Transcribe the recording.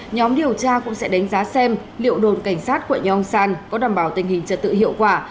nhóm điều tra cũng sẽ đánh giá xem liệu đồn cảnh sát quận yong san có đảm bảo tình hình trật tự hiệu quả